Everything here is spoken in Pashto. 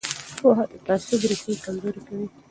پوهه د تعصب ریښې کمزورې کوي